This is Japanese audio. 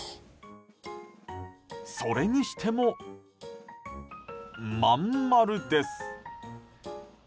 それにしても真ん丸です。